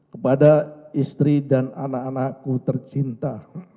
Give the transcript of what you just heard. kepada istri dan anak anakku tercinta